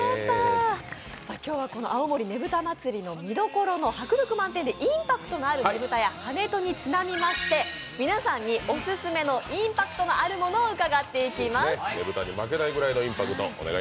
今日は青森ねぶた祭、見どころの、迫力のあるインパクトのあるねぶたや跳人にちなみにまして、皆さんにオススメのインパクトのあるものを伺っていきます。